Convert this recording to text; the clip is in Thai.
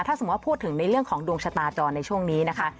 ถ้าสมมุติพูดถึงในเรื่องของดวงชะตาจรในช่วงนี้นะคะ